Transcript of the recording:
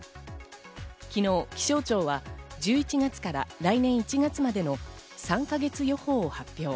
昨日気象庁は１１月から来年１月までの３か月予報を発表。